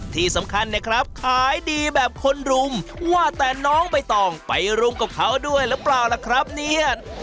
ที่สำคัญเนี่ยครับขายดีแบบคนรุมว่าแต่น้องใบตองไปรุมกับเขาด้วยหรือเปล่าล่ะครับเนี่ย